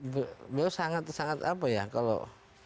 beliau sangat sangat apa ya kalau